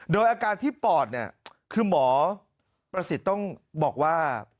โดยอาการที่ปอดเนี่ยคือหมอประสิทธิ์ต้องบอกว่า